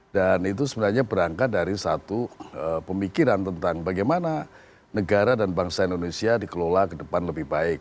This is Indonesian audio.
dan itu sebenarnya berangkat dari satu pemikiran tentang bagaimana negara dan bangsa indonesia dikelola ke depan lebih baik